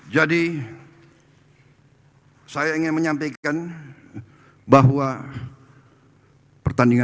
tidak ada yang terbaik untuk rakyat indonesia